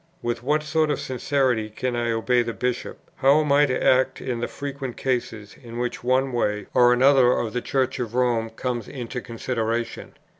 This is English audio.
With what sort of sincerity can I obey the Bishop? how am I to act in the frequent cases, in which one way or another the Church of Rome comes into consideration?